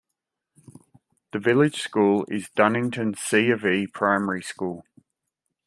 The village school is Dunnington C of E Primary School.